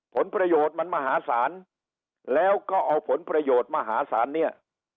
ผลประโยชน์มันมหาศาลแล้วก็เอาผลประโยชน์มหาศาลเนี่ย